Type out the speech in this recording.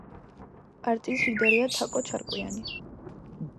პარტიის ლიდერია თაკო ჩარკვიანი.